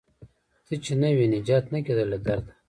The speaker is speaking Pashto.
ته چې نه وې نجات نه کیده له درده